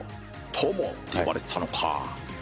「トモ」って呼ばれてたのか！